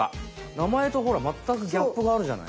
なまえとほらまったくギャップがあるじゃない。